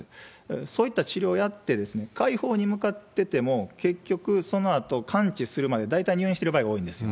そういった治療やって、快方に向かってても、結局、そのあと、完治するまで大体入院してる場合が多いんですよ。